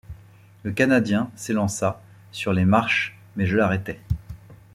Le Canadien s’élança sur les marches, mais je l’arrêtai.